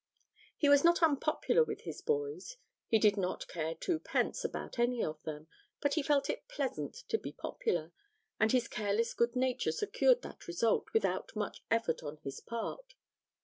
He was not unpopular with his boys: he did not care twopence about any of them, but he felt it pleasant to be popular, and his careless good nature secured that result without much effort on his part.